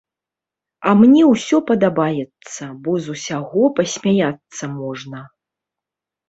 А мне ўсё падабаецца, бо з усяго пасмяяцца можна.